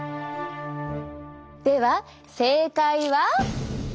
では正解は。